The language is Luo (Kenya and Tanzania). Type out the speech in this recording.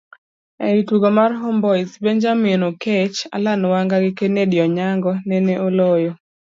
ei tugo mar Homeboyz, Benjamin Oketch, Allan Wanga gi Kennedy Onyango nene oloyo